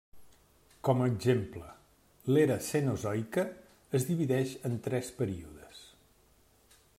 Com a exemple: l'Era Cenozoica es divideix en tres períodes: